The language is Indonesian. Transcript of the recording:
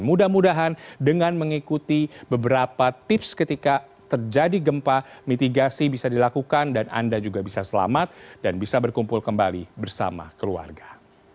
mudah mudahan dengan mengikuti beberapa tips ketika terjadi gempa mitigasi bisa dilakukan dan anda juga bisa selamat dan bisa berkumpul kembali bersama keluarga